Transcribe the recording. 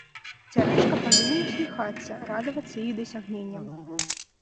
Цярэшка павінен усміхацца, радавацца іх дасягненням.